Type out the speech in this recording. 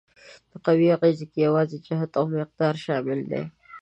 د قوې اغیزې کې یوازې جهت او مقدار شامل دي؟